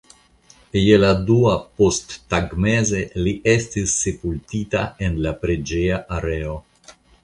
Je la dua posttagmeze li estis sepultita en la preĝeja areo.